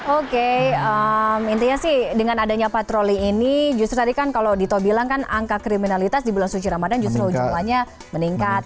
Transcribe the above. oke intinya sih dengan adanya patroli ini justru tadi kan kalau dito bilang kan angka kriminalitas di bulan suci ramadan justru jumlahnya meningkat